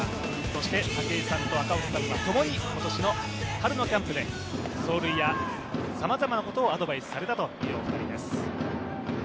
そして武井さんと赤星さんは共に今年の春のキャンプで走塁やさまざまなことをアドバイスされたというお二人です。